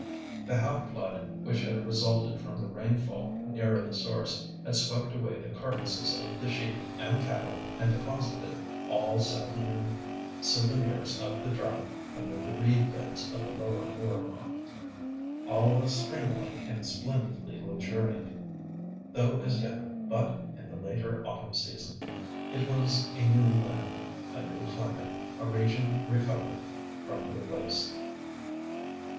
The half flood which had resulted from the rainfall nearer the source had swept away the carcases of the sheep and cattle and deposited all saddening souvenirs of the drought amid the reed beds of the lower Mooramah. All was spring like and splendidly luxuriant, though as yet but in the later autumn season. It was a new land, a new climate, a region recovered from the waste.